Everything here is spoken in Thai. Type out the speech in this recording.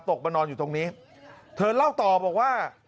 มานอนอยู่ตรงนี้เธอเล่าต่อบอกว่า